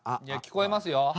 いや聞こえますよ。